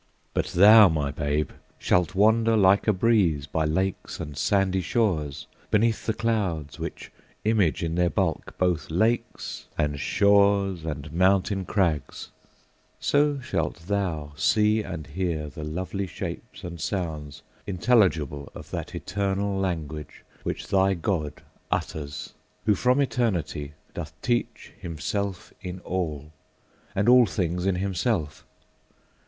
But thou, my babe! shalt wander like a breeze By lakes and sandy shores, beneath the clouds, Which image in their bulk both lakes and shores And mountain crags: so shalt thou see and hear The lovely shapes and sounds intelligible Of that eternal language, which thy God Utters, who from eternity, doth teach Himself in all, and all things in himself.